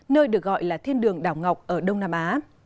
nơi được gọi là thiên đường đảo ngọc ở đông nam á